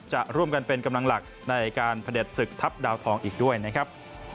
จะร่วมกันเป็นกำลังหลักในการพระเด็จศึกทัพดาวทองอีกด้วยนะครับ